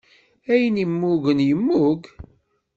Ayen immugen, yemmug.